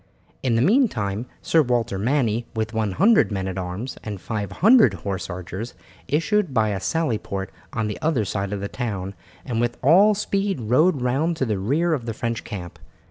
In the meantime Sir Walter Manny, with 100 men at arms and 500 horse archers, issued by a sally port on the other side of the town, and with all speed rode round to the rear of the French camp.